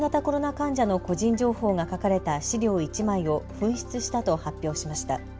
患者の個人情報が書かれた資料１枚を紛失したと発表しました。